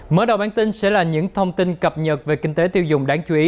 mở đầu bản tin sẽ là những thông tin cập nhật về kinh tế tiêu dùng đáng chú ý